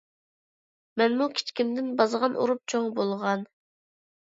مەنمۇ كىچىكىمدىن بازغان ئۇرۇپ چوڭ بولغان.